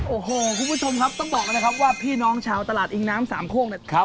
โอ้โหคุณผู้ชมครับต้องบอกนะครับว่าพี่น้องชาวตลาดอิงน้ำสามโคกเนี่ย